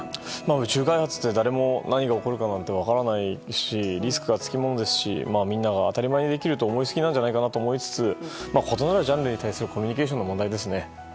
宇宙開発って誰も何が起こるかなんて分からないですしリスクがつきものですしみんなが当たり前にできると思いすぎなんじゃないかと思いつつ異なるジャンルに対するコミュニケーションの問題ですね。